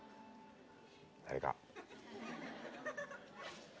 誰か？